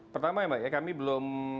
pertama ya mbak ya kami belum